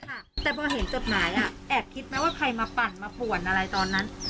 แต่พอเห็นจดหมายอ่ะแอบคิดไหมว่าใครมาปั่นมาป่วนอะไรตอนนั้น